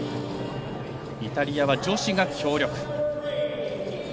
イタリアは女子が強力。